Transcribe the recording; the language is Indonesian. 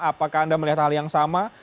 apakah anda melihat hal yang sama